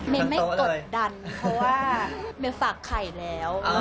ไม่กดดันเพราะว่าเมย์ฝากไข่แล้ว